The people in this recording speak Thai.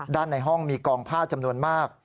ในห้องมีกองผ้าจำนวนมาก